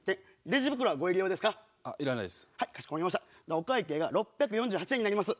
お会計が６４８円になります。